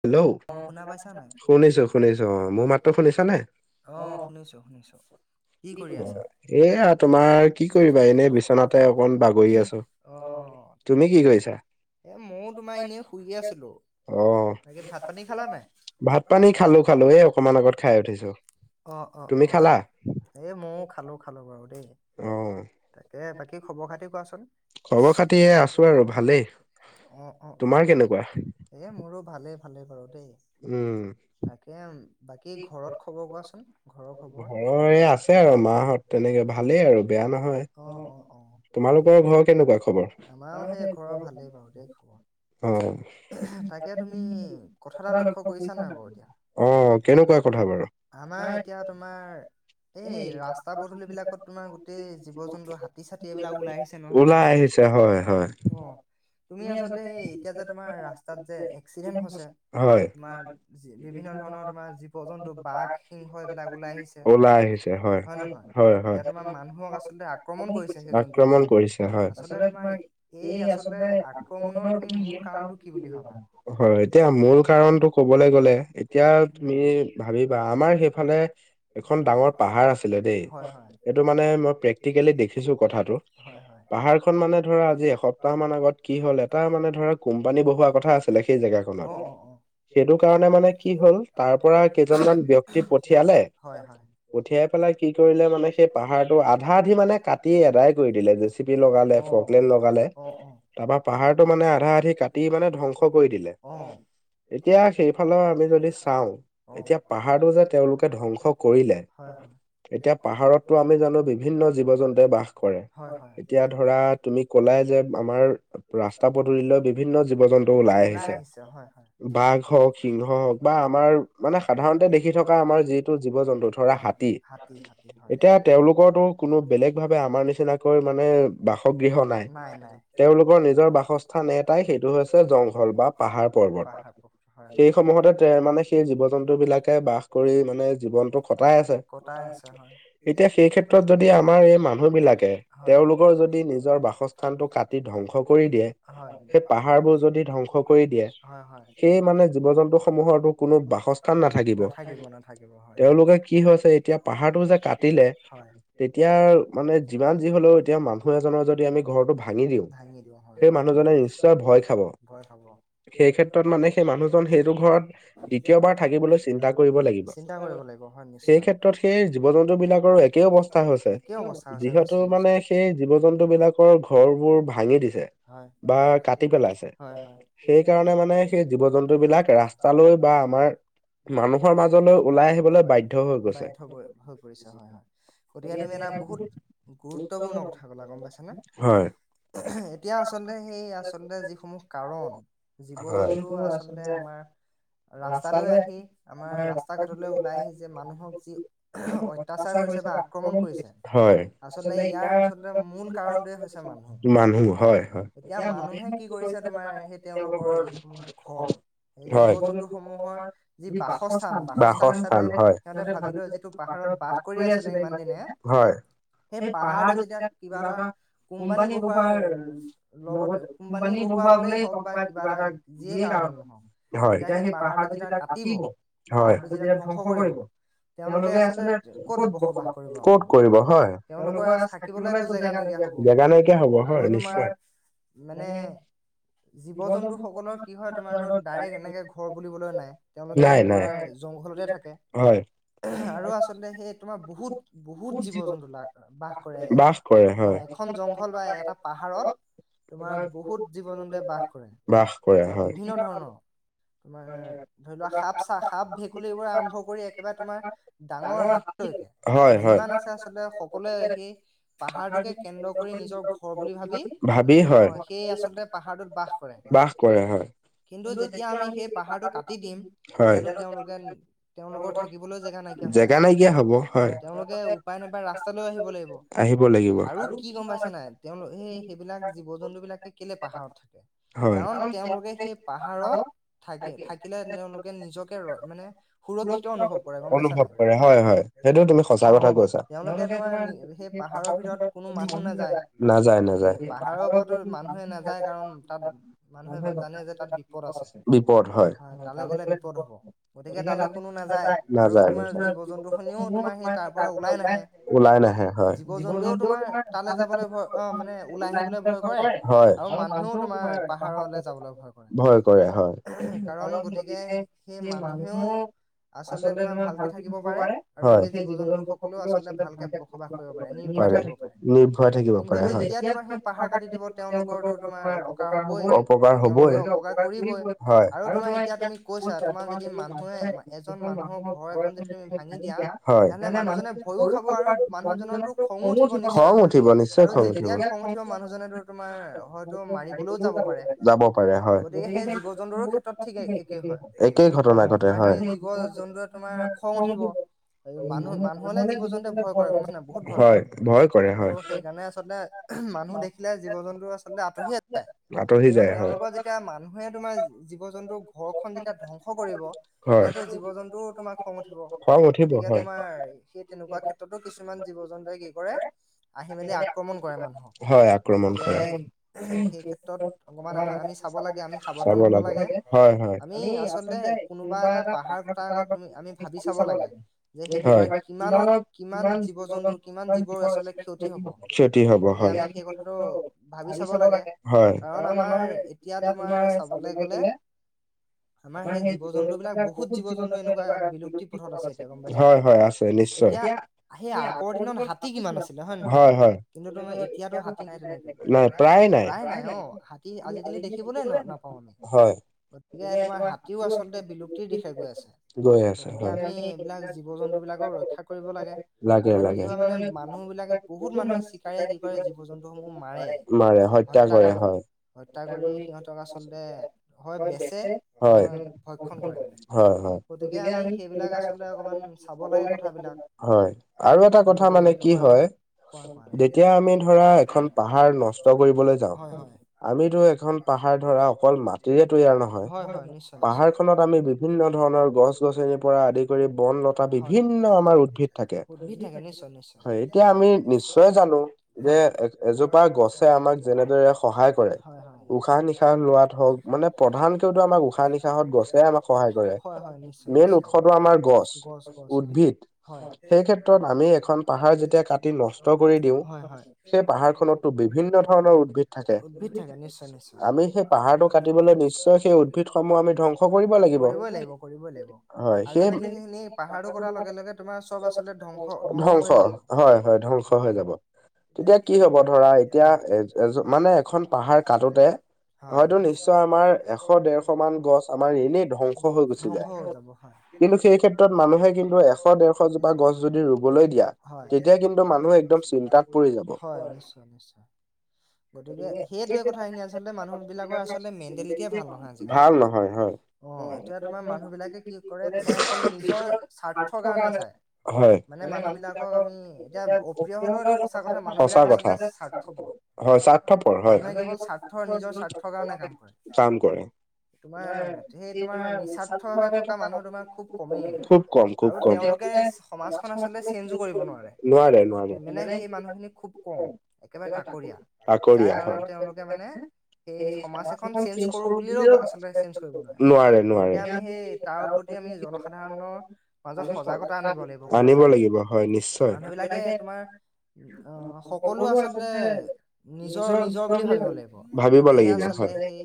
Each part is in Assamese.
হেল্লো', শুনিছো শুনিছো অ' মোৰ মাতটো শুনিছা নে? অ' শুনিছো শুনিছো। এইয়া তোমাৰ কি কৰিবা এনে বিচনাতে অকন বাগৰি আছো। অ'। তুমি কি কৰিছা? এ মইয়ো তোমাৰ এনেই শুইয়ে আছিলো। ভাত পানী খালা নাই? ভাত পানী খালো খালো। এই অকনমান আগত খাই উঠিছো। অ' অ' অ', তুমি খালা? এই ম‌ইয়ো খালো খালো বাৰু দেই। অ। তাকে। বাকী খবৰ -খাতি কোৱাচোন। খবৰ খাটি আছো আৰু, ভালেই। অ, অ, তোমাৰ কেনেকুৱা? এই মোৰো ভালেই। ভালেই বাৰু দেই। তাকে বাকী ঘৰত খবৰ কোৱাচোন। ঘৰৰ খবৰ, ঘৰৰ এ আছে আৰু মাঁহত তেনেকে ভালেই আৰু বেয়া নহয়। অ, অ, অ তোমালোকৰ ঘৰৰ কেনেকুৱা খৱৰ? আমাৰো সেই ঘৰৰ ভালেই বাৰু দেই খবৰ। তাকে তুমি, কথা এটা লক্ষ্য কৰিছা নাই বাৰু এতিয়া? আমাৰ এতিয়া, তোমাৰ, এই ৰাস্তা পদূলি বিলাকত তোমাৰ গোটেই জীৱ-জন্তু হাতী-চাতি এইবিলাক ওলাই আহিছে নহয়। ওলাই আহিছে হয়। অ, তুমি আচলতে এই এতিয়া যে তোমাৰ ৰাস্তাত যে এক্সিডেণ্ট হৈছে। হয় তোমাৰ বিভিন্ন ধৰণৰ তোমাৰ জীৱ, জন্তু বাঘ সিংহ, এইবিলাক ওলাই আহিছে হয় নহয়? এতিয়া তোমাৰ মানুহক আচলতে আক্ৰমণ কৰিছে সেই জন্তুবিলাকে। আচলতে তোমাৰ এই আচলতে আক্ৰমণৰ তুমি মূল কাৰণটো কি বুলি ভাবা? হয় এতিয়া মূল কাৰণতটো কবলৈ গ'লে এতিয়া তুমি ভাবিবা আমাৰ সেই সেইফালে এখন ডাঙৰ পাহাৰ আছিলে দেই -হেইটো মানে মই প্ৰেক্টিকেলি দেখিছো কথাটো। হয় হয় পাহাৰখন মানে ধৰা আজি এসপ্তাহ মান আগত কি হল এটা মানে ধৰা কোম্পানী বহোৱা কথা আছিল। সেই জেগা কনত, সেইটো কাৰণে মানে কি হ'ল তাৰ পৰা কেইজনমান ব্যক্তি পঠিয়ালে হয় হয় পঠিয়াই পেলাই কি কৰিলে মানে সেই পাহাৰটো আধা আধি মানে কাটি আদাই কৰি দিলে জেচিপি লগালে ফকলেণ্ড লগালে তাৰ পৰা পাহাৰটো মানে আধা আধি কাটি ই মানে ধ্বংস কৰি দিলে। অ', এতিয়া সেইফালৰ আমি যদি চাও পাহাৰটো যে তেওঁলোকে ধ্বংস কৰিলে হয় হয়। এতিয়া পাহাৰততো আমি জানো বিভিন্ন জীৱ জন্তুৱে বাস কৰে হয় হয় এতিয়া ধৰা তুমি কলাই যে আমাৰ ৰাস্তা পদূলিলৈ বিভিন্ন জীৱ জন্তু ওলাই আহিছে। বাঘ হওক সিংহ হওক বা আমাৰ মানে সাধাৰণতে দেখি থকা আমাৰ যিটো জীৱ জন্তু ধৰা হাতী এতিয়া তেওঁলোকৰো টো কোনো বেলেগ ভাৱে আমাৰ নিচিনা কৈ মানে বাসগৃহ নাই, তেওঁলোকৰ নিজৰ বাসস্থান এটাই সেইটো হৈছে জংঘল বা পা পাহাৰ পৰ্বত পাহাৰ পৰ্বত হয় হয় সেই সমূহতে মানে সেই জীৱ জন্তু বিলাকে বাস বাস কৰি পিনে জীৱনটো কটাই আছে কটাই আছে হয় তেতিয়া সেই ক্ষেত্ৰত যদি আমাৰ এই মানুহ বিলাকে। তেওঁলোকৰ যদি নিজৰ বাসস্থানটো কাটি ধ্বংস কৰি দিয়ে সেই পাহাৰবোৰ যদি ধ্বংস ধ্বংস কৰি দিয়ে। হয় হয় সেই মানে জীৱ জন্তু সমূহৰটো কোনো বাসস্থান নাথাকিব নাথাকিব নাথাকিব। থাকিব হয় এওঁলোকে কি কৈছে এতিয়া পাহাৰটো যে কাটিলে হয় তেতিয়া মানে যিমান যি হলেও এতিয়া মানুহ এজনৰ যদি আমি ঘৰটো ভাঙি দিও ভাঙি দিও হয় সেই মানুহজনে নিশ্চয় ভয় খাব। ভয় খাব। সেই ক্ষেত্ৰত মানে সেই মানুহজন সেইটো ঘৰত দ্বিতীয়বাৰ থাকিবলৈ চিন্তা কৰিব লাগিব। [unintelligible] সেই ক্ষেত্ৰত সেই জীৱ জন্তু বিলাকৰো একেই অৱস্থা হৈছে। যিহেতু মানে সেই জীৱ জন্তু বিলাকৰ ঘৰ বোৰ ভাঙি দিছে। হয় বা কাটি পেলাইছে হয় হয় সেইকাৰণে মানে সেই জীৱ জন্তু বিলাক ৰাস্তালৈ বা আমাৰ মানুহৰ মাজ ওলাই আহিবলৈ বাধ্য হৈ পৰিছে বাধ্য হৈ পৰিছে হয় হয় গতিকে তুমি এটা বহুত গুৰুত্বপূৰ্ণ কথা কলা গম পাইছানে? [unintelligible] এতিয়া আচলতে সেই আচলতে যিসমূহ কাৰণ জীৱ জন্তু আচলতে আমাৰ ৰাস্তালৈ আহি আমাৰ ৰাস্তা ঘাট ওলাই আহি যে মানুহক যি অত্যাচাৰ কৰিছে বা আক্ৰমণ কৰিছে হয় আচলতে ইয়াৰ আচলতে মূল কাৰণটোৱে হৈছে মানুহ এতিয়া মানুহে কি কৰিছে তোমাৰ হেই তেওঁলোকৰ যিসমূহ ঘৰ সেই জীৱ জন্তু সমূহৰ যি বাসস্থান বাসস্থান হিচাপে সিহঁতে ভাবি লৈ যিটো পাহাৰত বাস কৰি আছিলে, ইমান দিনে সেই পাহাৰটো যেতিয়া কিবা এটা কোম্পানী বহোৱাৰ লগতে কোম্পানী বহুৱাবলে হওক বা কিবা এটা যিয়ে কাৰণত নহওক তেতিয়া সেই পাহাৰটো যেতিয়া কাটিব। পাহাৰটো যেতিয়া ধ্বংস কৰিব। তেওঁলোকে আচলতে কত বসবাস কৰিব আকৌ তেওঁলোকৰ আছ থাক কিবলে একো জেগা নাইকিয়া হব আৰু তোমাৰ মেনে জীৱ জন্তু সকলৰ কি হয় তোমাৰ তো ডাইৰেক্ট এনেকে ঘৰ বুলিবলৈ নাই তেওঁলোকে তোমাৰ এ জংঘলতে থাকে আৰু আচলতে সেই তোমাৰ বহুত বহুত জীৱ জন্তু লা বাস কৰে। অ এখন জংঘল বা এটা পাহাৰত তোমাৰ বহুত জীৱ জন্তুুৱে বাস ৰে তোমাৰ বিভিন্ন ধৰণৰ তোমাৰ ধৰি লোৱা সাপ চা সাপ ভেকুলীৰ পৰা আৰম্ভ কৰি একেবাই তোমাৰ ডাঙৰ সাপলৈকে যিমান আছে আচলতে সকলোৱে সেই পাহাৰটোকে কেন্দ্ৰ কৰি নিজৰ ঘৰ বুলি ভাবি অ সেই আচলতে পাহাৰটোত বাস কিন্তু যেতিয়া আমি সেই পাহাৰটো কাটি দিম তেতিয়াটো তেওঁ যেন তেওঁলোকৰ থাকিবলৈ জেগা নাইকিয়া হ'ব। অ তেওঁলোকে উপায় নেপায় ৰাস্তালৈ আহিব লাগিব। আৰু কি গম পাইছা নাই তেওঁল এই সেইবিলাক জীৱ জন্তু বিলাকে কেলে পাহাৰত থাকে। কাৰন তেওঁলোকে সেই পাহাৰত থাকি থাকিলে তেওঁলোকে নিজকে ৰ মানে সুৰক্ষিত অনুভৱ কৰে গম পাইছা নাই অ তেওঁলোকে তোমাৰ সেই পাহাৰৰ ভিতৰত কোনো মানুহ নাযায় পাহাৰৰ ওপৰতো মানুহে নাযায় কাৰণ তাত মানুহে গ জানে যে তাত বিপদ আছে হয় তালে গলে বিপদ হব। গতিকে তালৈ কোনো নাযায় আৰু তোমাৰ জীৱ জন্তু খনিও তোমাৰ সেই তাৰ পৰা ওলাই নাহে জীৱ জন্তুও তোমাৰ তালে যাবলৈ ভয় অ মানে ওলাই আহিবলৈ ভয় কৰে। হয় ভয় কৰে হয় গতিকে সেই মানুহ আচলতে তোমাৰ ভালকে থাকিব পাৰে হয় সেই জীৱ জন্তু সকলেও আচলতে ভালকে হয় নিৰ্ভয় থাকিব পাৰে হয় হ অপকাৰ হবই কৰিবই হয় আৰু তোমাৰ এতিয়া তাৰ যদি ম মুমাৰ বৰ এ যদি তুমি ভাঙি যা হয় মানুহ আৰু মানুহৰ খং উঠিব নিশ্চয় খাওঁ যাব পাৰে হয় একেই ঘটনা ঘটে হয় হয় ভয় কৰে হয়। মানুহ দেখিলে জীৱ জন্তু আচলতে আঁতহি আত যায় কিন্তু তেওঁলোকৰ যেতিয়া মানুহে তোমাৰ জীৱ জন্তুৰ ঘৰখন যেতিয়া ধ্বং খ কৰিব তেতিয়াতো জীৱ জন্তুও তোমাক খং উঠিব। গতিকে তোমাৰ সেই তেনেকুৱা ক্ষেত্ৰতো কিছুমান জীৱ জন্তুৱে কি কৰে। আহি মেলি আক্ৰমণ কৰে মানুহক গতিকে সেই ক্ষেত্ৰত অকমান অকমান আমি চাব লাগে আমি সাৱধান হব লাগে আম মি আচলতে কোনোবা এটা পাহাৰ কটাৰ আগত তুমি আমি ভাবি চাব লাগে। যে সেইটোৰ পৰা কিমানৰ কিমান জীৱ জন্তু কিমান জীৱৰ আচলতে ক্ষতি হব। গতিকে আমি সেই কথাটো ভাবি চাব লাগে। কাৰণ আমাৰ এতিয়া তোমাৰ চাবলে গলে আমাৰ সেই জীৱ জন্তু বিলাক বহুত জীৱ জন্তু এনেকুৱা বিলুপ্তি পথত আছে, এতিয়া গম পাইছা নে এতিয়া আ, সেই আগৰ দিনত হাতী কিমান আছিলে হয় নে নহয়, কিন্তু তোমাৰ এতিয়াতো হাতী নাই তেনেকে প্ৰায় নে নাই অ', হাতী আজিকালি দেখিবলৈ ন নাপাওঁ আমি। গতিকে তোমাৰ হাতীও আচলতে বিলুপ্তিৰ দিশে গৈ আছে, গতিকে আমি এইবিলাক জীৱ জন্তুবিলাকক ৰক্ষা কৰিব লাগে। আৰু কি হয় মানে মানুহবিলাকে বহুত মানুহে চিকাৰিয়ে কি কৰে জীৱ-জন্তুসমূহক মাৰে। মাৰে। হত্যা কৰে, হত্যা কৰি সিহঁতক আচলতে হয় বেচ হয়, হয়, হয়, গতিকে আমি সেইবিলাক আচলতে আপোনাৰ হয় আৰু এটা কথা মানে কি হয়। যেতিয়া আমি ধৰা এখন পাহাৰ নষ্ট কৰিবলৈ যাওঁ। হয়, হয়, আমিতো এখন পাহাৰ ধৰা অকল মাটিৰে তৈয়াৰ নহয়, হয়। হয়, হয়, নিশ্চয় আমি বিভিন্ন ধৰণৰ গছ গছ পৰা আদি কৰি বন ৰক্ষা বিভিন্ন আমাৰ উদ্ভিদ থাকে, নিশ্চয় নিশ্চয় নিশ্চয় যেতিয়া আমি নিশ্চিয় জানো যে এজোপা গছে আমাৰ [unintelligible] সহায় কৰে হয়, হয়, উাশাহ নিশাহ লোৱাত হওঁক মানে প্ৰধান হয়, হয়, নিশ্চয়, নিশ্চয় গছ, গছ, হয়। হয়, সেই ক্ষেত্ৰত আমি এখন পাহাৰ যেতিয়া কাটি নষ্ট কৰি দিওঁ, হয় হয় সেই পাহাৰখনৰ বিভিন্ন ধৰ উদ্ভিদ থাকে, উদ্ভিদ থাকে, নিশ্চয় নিশ্চয় আমি সেই পাহাৰটো কাটিবলৈ নিশ্চয় সেই উদ্ভিদ সমূহ আমি ধ্বংস কৰিব লাগিব, কৰিবই লাগিব কৰিবই লাগিব আন্টিমেন্টলি পাহাৰো কটাৰ লগে লগে তোমাৰ চৰ আচলতে ধ্বংস ধ্বংস হৈয়ে যাব হয় হয়। তেতিয়া কি হ'ব ধৰা এতিয়া এ এজ মানে এখন পাহাৰ কাটোতে হয়তো নিশ্চয় আমাৰ এ এশৰ দেৰশ মান গছ আমাৰ এনেই ধ্বংস হৈ যাব, হয় কিন্তু সেই ক্ষেত্ৰত মানুহে কি কয় এশ দেৰশ জোপা যদি গছ ৰুবলৈ দিয়া, হয়, তেতিয়া কিন্তু মানুহে একদম চিন্তাত পৰি যাব, হয়, নিশ অ', নিশ্চয়। গতিকে সেইটোৱে কথাখিনি আচলতে মানুহবিলাকৰ আচলতে মেণ্টেলিটিয়ে ভাল নহয়। ভাল নহয়, হয়। অ', এতিয়া তোমাৰ মানুহবিলাকে কি কৰে তোমাৰ অকল নিজৰ স্বাৰ্থৰ কাৰণে চাই। মানে মানুহবিলাকক আমি এতিয়া অপ্ৰিয় হ'লেওটো সঁচা কথা মানুহবিলাক আচলতে স্বাৰ্থপৰ। মানুহে কেৱল স্বাৰ্থৰ নিজৰ স্বাৰ্থৰ কাৰণে কাম কৰে। তোমাৰ সেই তোমাৰ নিস্বাৰ্থভাৱে থকা মানুহ তোমাৰ খুব কমেই আৰু তেওঁলোকে সমাজখন আচলতে চেঞ্জো কৰিব নোৱাৰে মানে সেই মানুহখিনি খুব কম একেবাৰে তাকৰীয়া। যাৰ কাৰণত তেওঁলোকে মানে সেই সমাজ এখন চেঞ্জ ক কৰোঁ বুলিও আচলতে চেঞ্জ কৰিব নোৱাৰে গতিকে আমি সেই তাৰ ওপৰতে আমি জনসাধাৰণৰ মাজত সজাগতা আনিব লাগিব গম পাইছানে নাই মানুহবিলাকে তোমাৰ অ', সকলো আচলতে নিজৰ, নিজৰ বুলি ভাবিব লাগিব তেতিয়াহে আচলতে সেই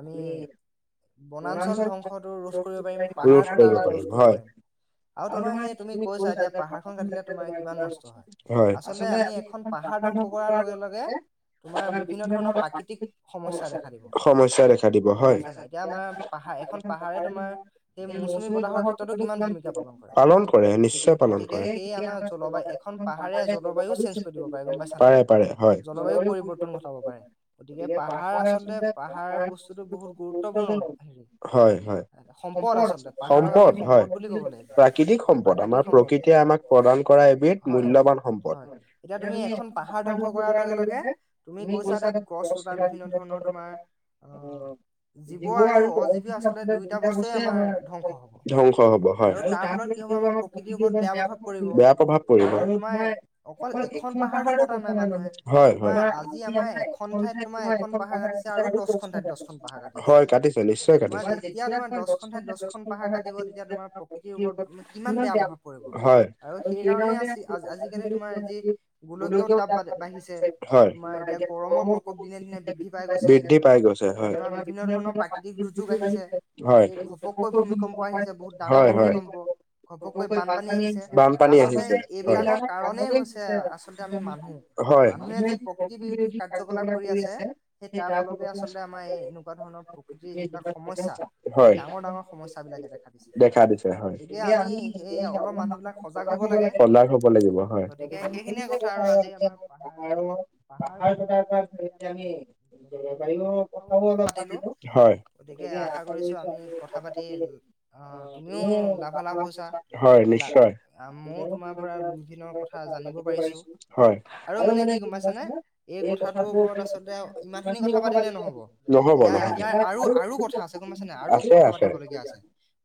আমি বনাঞ্চল ধ্বংসটো ৰোধ কৰিব পাৰিম, পাহাৰ কটা ৰোধ কৰিব পাৰিম। আৰু তোমাৰ সেই তুমি কৈছা এতিয়া পাহাৰখন কাটিলে তোমাৰ কিমান নষ্ট হয়, আচলতে আমি এখন খন পাহাৰ ধ্বংস কৰাৰ লগে লগে তোমাৰ বিভিন্ন ধৰণৰ প্ৰাকৃতিক সমস্যা দেখা দিব। গম পাইছা নাই এতিয়া আমাৰ পাহাৰ এখন পাহাৰে তোমাৰ এই মৌচুমী বতাহৰ ক্ষেত্ৰতো কিমান ভূমিকা পালন হয় গতিক গতিকে সেই আমাৰ জলবায়ু এখন পাহাৰে জলবায়ু চেঞ্জ কৰি দিব পাৰে গম পাইছা নাই। পাৰে হয়। পৰিৱৰ্তন ঘটাব পাৰে গতিকে পাহাৰ আচলতে পাহাৰ বস্তু বহুত গুৰুত্বপূৰ্ণ, হেৰি সম্পদ আচলতে পাহাৰক আমি সম্পদ বুলি ক'ব লাগিব। ৃ প্ৰাকৃতিক সম্পদ। আমাক প্ৰদান কৰা হয়। হয় হয়। এতিয়া তুমি এখন পাহাৰ ধ্বংস কৰাৰ লগে লগে তুমি কৈছা তাত গছ লোতা বিভিন্ন ধৰণৰ তোমাৰ অ জীৱ আৰু অজীৱ আচলতে দুইটা বস্তুৱেই আমাৰ ধ্বংস হব। আৰু তাৰ ফলত কি হব আমাৰ প্ৰকৃতিৰ ওপৰত বেয়া প্ৰভাৱ পৰিব। আৰু তোমাৰ অকল এখন পাহাৰতো কটা নাই মানুহে তোমাৰ আজি আমাৰ এখন ঠাইত তোমাৰ এখন পাহাৰ কাটিছে আৰু দছখন ঠাইত দছ খন পাহাৰ কাটি। তোমাৰ যেতিয়া তোমাৰ দছখন ঠাইত দছখন পাহাৰ কাটিব তেতিয়া তোমাৰ প্ৰ প্ৰকৃতিৰ ওপৰত কিমান বেয়া প্ৰভাৱ পৰিব আৰু সেইকাৰণে আসি আজিকালি তোমাৰ যি গোলকীয় উত্তাপ বাঢ়িছে। তোমাৰ এতিয়া গৰমৰ প্ৰকোপ দিনে দিনে বৃদ্ধি পাই গৈছে। এতিয়া তোমাৰ বিভিন্ন ধৰণৰ প্ৰাকৃতিক দুৰ্যোগ আহিছে। এই ঘপককৈ ভূমিকম্প আহিছে। বহুত ডাঙৰ ভূমিকম্প। ঘপককৈ বানপানী আহিছে। আচলতে এইবিলাকৰ কাৰনেই হৈছে আচলতে আমি মানুহ। হয়। মানুহে যি প্ৰকৃতি বিৰোধী কাৰ্যকলাপ কৰি আছে, সেই তাৰ ফলতে আচলতে আমাৰ এই এনেকো তেনেকুৱা ধৰণৰ প্ৰকৃতিৰ যিবিলাক সমস্যা সেই ডাঙৰ ডাঙৰ সমস্যাবিলাকে দেখা দিছে। দেখা দিছে। গতিকে আমি এই অলপ মানুহ বিলাক সজাগ হব লাগে। সজাগ হব লাগিব। গতিকে সেইখিনিয়ে কথা আৰু আজি আমাৰ। পাহাৰত পাহাৰ কটাৰ পৰা ধৰি মেলি আমি জল বায়ুৰ কথাও অলপ। পাতিলো। হয়। গতিকে আশা কৰিছো আমি কথা পাতি অ তুমিও লাভালাভ হৈছা। মইও তোমাৰ পৰা বিভিন্ন কথা জানিব পাৰিছো। আৰু মানে কি গম পাইছানে? এই কথাটোৰ ওপৰত আচলতে ইমানখিনি কথা পাতিলে নহব। ইয়াৰ ইয়াৰ আৰু আৰু কথা আছে গম পাইচানে, আৰু কথা পাতিবলগীয়া আছে।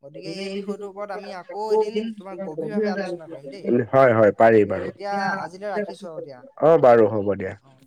গতিকে এই বিষয়টোৰ ওপৰত আমি আকৌ এদিন তোমাক গভীৰ ভাৱে আলোচনা কৰিম দেই। হয় হয়। এতিয়া আজিলৈ ৰাখিছো আৰু দিয়া। অঁ বাৰু হব দিয়া। অঁ।